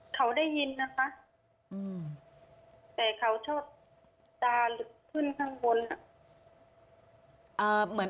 เขาได้ยินนะคะแต่เขาชอบตาลึกขึ้นข้างบน